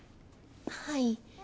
はい。